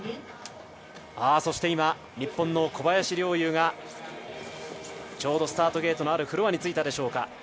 そして今、日本の小林陵侑がスタートゲートにあるフロアに着いたでしょうか。